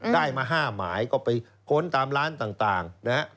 ได้มา๕หมายเขาไปค้นตามร้านต่าง